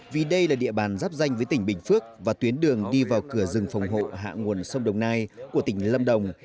vì đây là địa bàn giáp danh với tỉnh bình phước và tuyến đường đi vào cửa rừng phòng hộ hạ nguồn sông đồng nai của tỉnh lâm đồng